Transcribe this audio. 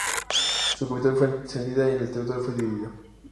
Su capital fue incendiada y el territorio fue dividido.